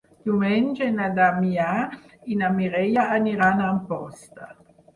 Diumenge na Damià i na Mireia aniran a Amposta.